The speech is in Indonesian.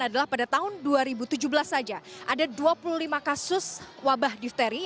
adalah pada tahun dua ribu tujuh belas saja ada dua puluh lima kasus wabah difteri